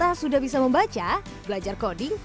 apa harus jalan karena